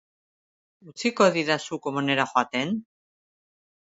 Utziko didazu komunera joaten?